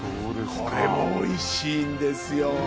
これもおいしいんですよ。